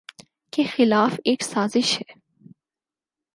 کے خلاف ایک سازش ہے۔